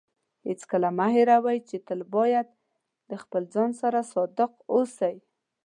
هیڅکله مه هېروئ چې تل باید د خپل ځان سره صادق اوسئ.